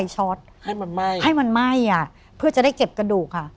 ก็จะได้เก็บกระดูกค่ะ